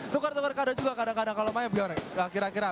tukar tukar kadang kadang juga kalau